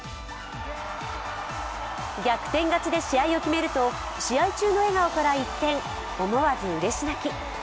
逆転勝ちで試合を決めると試合中の笑顔から一転、思わずうれし泣き。